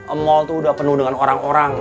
emol tuh udah penuh dengan orang orang